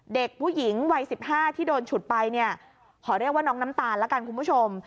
เด็กผู้หญิงวัย๑๕ที่โดนฉุดไปเนี่ยขอเรียกว่าน้องน้ำตาลละกันคุณผู้ชม